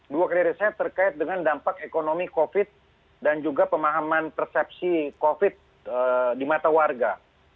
dua krisisnya terkait dengan dampak ekonomi covid dan juga pemahaman persepsi covid di mata warga